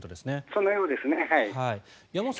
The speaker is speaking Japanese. そのようですね。